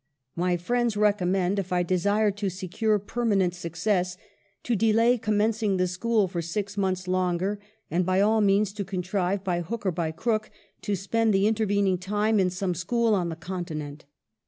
My friends recom mend, if I desire to secure permanent success, to delay commencing the school for six months longer, and by all means to contrive, by hook or by crook, to spend the intervening time in some school on the Continent.